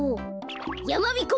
やまびこ